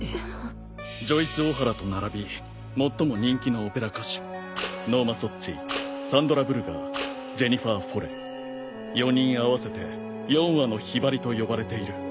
ジョイスオハラと並び最も人気のオペラ歌手ノーマソッツィサンドラブルガージェニファーフォレ四人合わせて四羽の雲雀と呼ばれている。